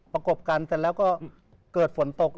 ประกบกันแต่แล้วก็เกิดฝนตก